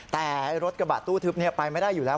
แต่รถกระบะตู้ทึบไปไม่ได้อยู่แล้ว